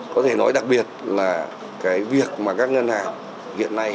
có thể nói đặc biệt là cái việc mà các ngân hàng hiện nay